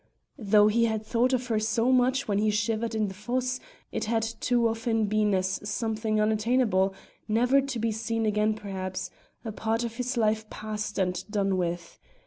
Though he had thought of her so much when he shivered in the fosse, it had too often been as something unattainable, never to be seen again perhaps, a part of his life past and done with.